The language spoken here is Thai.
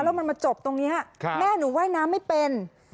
แล้วมันมาจบตรงนี้แม่หนูว่ายน้ำไม่เป็น